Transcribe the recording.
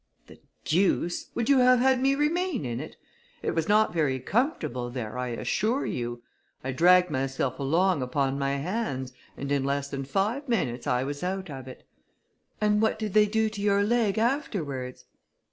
"The deuce! would you have had me remain in it? It was not very comfortable there, I assure you. I dragged myself along upon my hands, and in less than five minutes I was out of it." "And what did they do to your leg afterwards?"